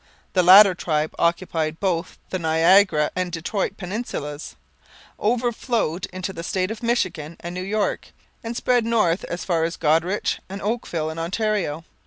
The latter tribe occupied both the Niagara and Detroit peninsulas, overflowed into the states of Michigan and New York, and spread north as far as Goderich and Oakville in Ontario.